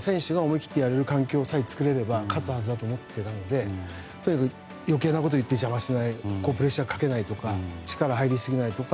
選手が思い切ってやれる環境さえ作れれば勝つはずだと思っていたのでとにかく余計なことを言って邪魔しないプレッシャーをかけないとか力が入りすぎないとか